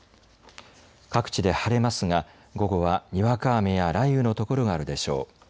各地で晴れますが午後はにわか雨や雷雨の所があるでしょう。